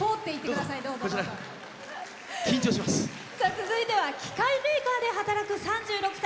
続いては機械メーカーで働く３６歳。